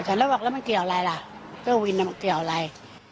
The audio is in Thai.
เขาเลยบอกแล้วมันเกี่ยวอะไรล่ะเสื้อวินมันเกี่ยวอะไร